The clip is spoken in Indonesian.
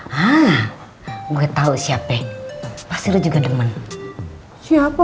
hah gue tahu siapa pasti lu juga demen siapa